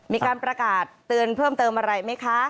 มีการประกาศเตือนเพิ่มเติมอะไรไหมคะ